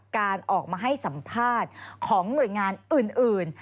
การออกมาให้สัมภาษณ์ของหน่วยงานอื่น